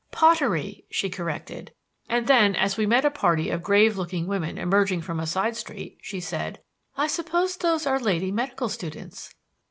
"Pottery," she corrected; and then as we met a party of grave looking women emerging from a side street, she said: "I suppose those are lady medical students."